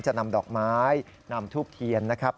จะนำดอกไม้นำทูบเทียนนะครับ